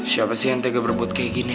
siapa sih yang tega berebut kayak gini